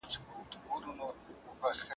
څنګه یو څوک د خپلي اړتیا له مخي نوي شیان زده کوي؟